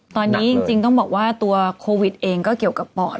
ตอนนี้จริงต้องบอกว่าตัวโควิดเองก็เกี่ยวกับปอด